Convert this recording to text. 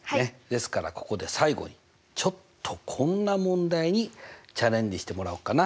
ですからここで最後にちょっとこんな問題にチャレンジしてもらおうかな。